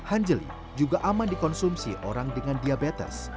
hanjeli juga aman dikonsumsi orang dengan diabetes